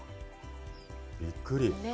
びっくり。